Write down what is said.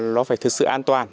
nó phải thực sự an toàn